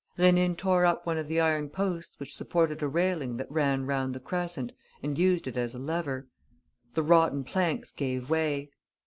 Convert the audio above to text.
Rénine tore up one of the iron posts which supported a railing that ran round the crescent and used it as a lever. The rotten planks gave way.